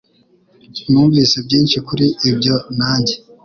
Numvise byinshi kuri ibyo nanjye